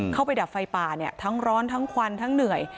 ดับไฟป่าเนี่ยทั้งร้อนทั้งควันทั้งเหนื่อย